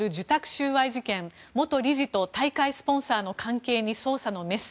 収賄事件元理事と大会スポンサーの関係に捜査のメス。